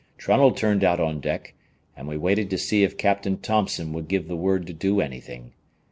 Trunnell turned out on deck, and we waited to see if Captain Thompson would give the word to do anything.